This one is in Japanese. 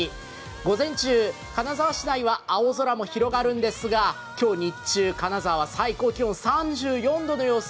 午前中、金沢市内は青空も広がるんですが、今日日中金沢最高気温３４度の予想。